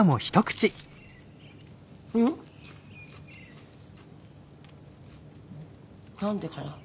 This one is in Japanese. うん？何でかな。